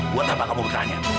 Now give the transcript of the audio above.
buat apa kamu bertanya